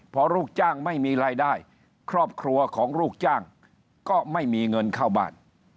พอลูกจ้างไม่มีรายได้ครอบครัวของลูกจ้างก็ไม่มีเงินเข้าบ้าน